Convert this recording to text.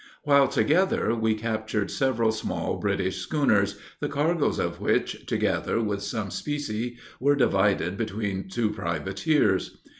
While together, we captured several small British schooners, the cargoes of which, together with some specie, were divided between two privateers.